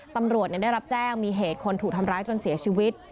ตำรวจได้รับแจ้งมีเหตุคนถูกทำร้ายจนเสียชีวิต